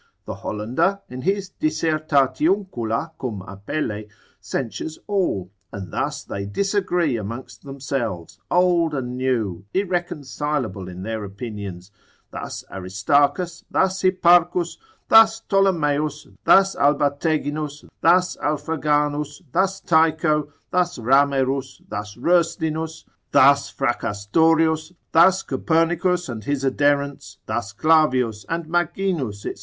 The Hollander, in his dissertatiuncula cum Apelle, censures all; and thus they disagree amongst themselves, old and new, irreconcilable in their opinions; thus Aristarchus, thus Hipparchus, thus Ptolemeus, thus Albateginus, thus Alfraganus, thus Tycho, thus Ramerus, thus Roeslinus, thus Fracastorius, thus Copernicus and his adherents, thus Clavius and Maginus, &c.